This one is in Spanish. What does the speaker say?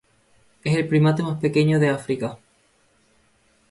Es el primate más pequeño de África.